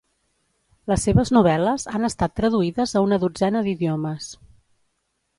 Les seves novel·les han estat traduïdes a una dotzena d'idiomes.